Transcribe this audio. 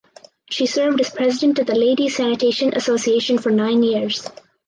She served as president of the Ladies Sanitation Association for nine years.